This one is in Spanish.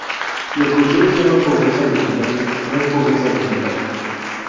Lo que usted llama pobreza alimentaria, no es pobreza alimentaria".